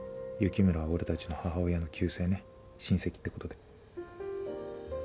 雪村は俺たちの母親の旧姓ね親戚ってことで。